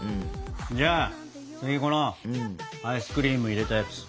じゃあ次このアイスクリーム入れたやつ。